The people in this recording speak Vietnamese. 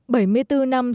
bảy mươi bốn năm sau